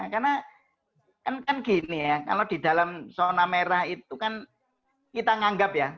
karena kan gini ya kalau di dalam zona merah itu kan kita nganggap ya